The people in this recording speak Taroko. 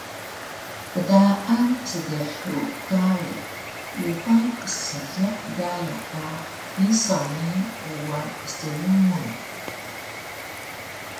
Pdaan psdhug kari uxay psseeliq gaya ka risaw ni uwa pstrngun